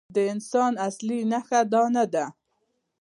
د انسان اصلي نښه دا نه ده.